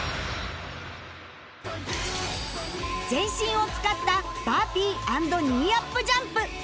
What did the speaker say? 全身を使ったバーピー＆ニーアップジャンプ